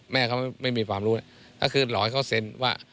แม่เขาไม่มีความรู้ก็คือหรอให้เขาเซ็นว่า